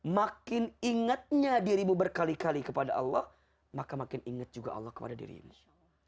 makin ingatnya dirimu berkali kali kepada allah maka makin ingat juga allah kepada dirimu